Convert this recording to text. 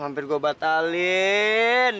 hampir gue batalin